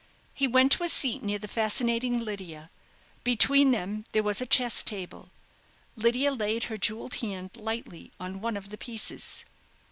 He went to a seat near the fascinating Lydia. Between them there was a chess table. Lydia laid her jewelled hand lightly on one of the pieces.